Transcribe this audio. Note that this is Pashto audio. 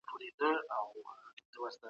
ایا نوي کروندګر جلغوزي پروسس کوي؟